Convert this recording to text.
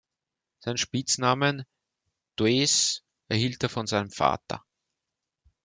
Seinen Spitzname "Deuce" erhielt er von seinem Vater.